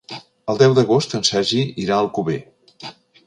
El deu d'agost en Sergi irà a Alcover.